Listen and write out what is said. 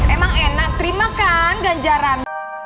emang enak terima kan ganjaran